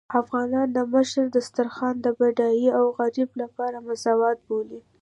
افغانان د مشر دسترخوان د بډای او غريب لپاره مساوات بولي.